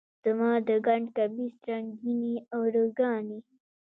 زما د ګنډ کمیس رنګینې ارواګانې،